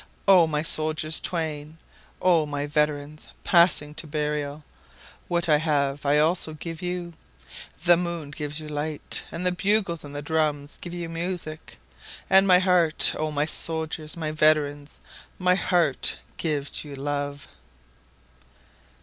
O my soldiers twain! O my veterans, passing to burial! What I have I also give you.9The moon gives you light, And the bugles and the drums give you music; And my heart, O my soldiers, my veterans, My heart gives you love.